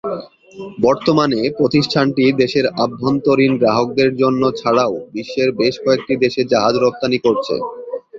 বর্তমানে প্রতিষ্ঠানটি দেশের আভ্যন্তরীণ গ্রাহকদের জন্য ছাড়াও বিশ্বের বেশ কয়েকটি দেশে জাহাজ রপ্তানি করছে।